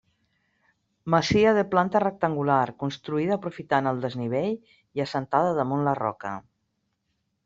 Masia de planta rectangular construïda aprofitant el desnivell i assentada damunt la roca.